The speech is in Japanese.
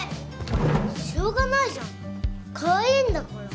しょうがないじゃんカワイイんだから